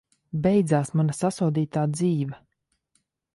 Beidzās mana sasodītā dzīve!